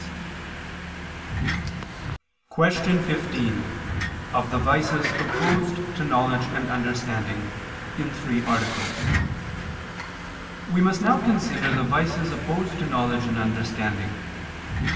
_______________________ QUESTION 15 OF THE VICES OPPOSED TO KNOWLEDGE AND UNDERSTANDING (In Three Articles) We must now consider the vices opposed to knowledge and understanding.